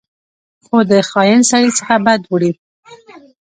خو د خاین سړي څخه بد وړي.